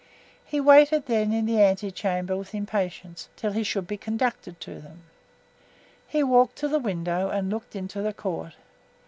He waited, then, in the ante chamber with impatience, till he should be conducted to them. He walked to the window and looked into the court.